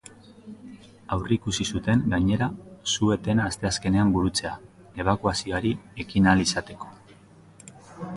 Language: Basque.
Aurreikusi zuten, gainera, su-etena asteazkenean burutzea, ebakuazioari ekin ahal izateko.